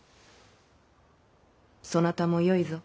そなたもよいぞ。